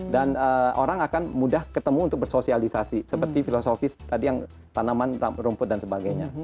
orang akan mudah ketemu untuk bersosialisasi seperti filosofis tadi yang tanaman rumput dan sebagainya